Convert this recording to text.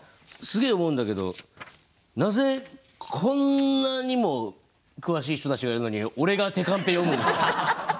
すげえ思うんだけどなぜこんなにも詳しい人たちがいるのに俺が手カンペ読むんですか？